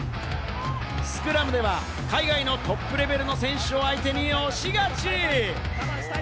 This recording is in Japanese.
スクラムでは海外のトップレベルの選手を相手に押し勝ち！